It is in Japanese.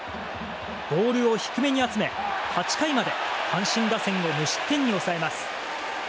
ボールを低めに集め８回まで阪神打線を無失点に抑えます。